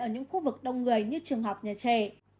ở những khu vực đông người như trường học nhà trẻ